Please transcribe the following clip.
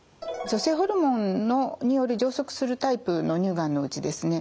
女性ホルモンにより増殖するタイプの乳がんのうちですね